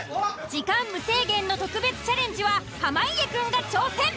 時間無制限の特別チャレンジは濱家くんが挑戦。